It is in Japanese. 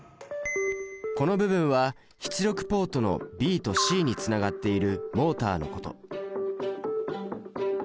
この部分は出力ポートのＢとＣにつながっているモータのこと。